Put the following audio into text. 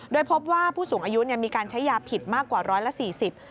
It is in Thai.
โดยพบว่าผู้สูงอายุมีการใช้ยาผิดมากกว่า๑๔๐แล้ว